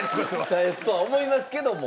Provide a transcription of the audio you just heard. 返すとは思いますけども。